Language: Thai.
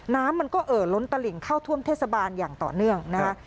น้ำมันก็เอ่อล้นตลิ่งเข้าท่วมเทศบาลอย่างต่อเนื่องนะคะ